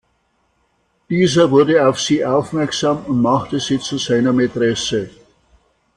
Dieser wurde auf sie aufmerksam und machte sie zu seiner Mätresse.